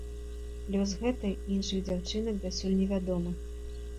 Лёс гэтай і іншых дзяўчынак дасюль невядомы.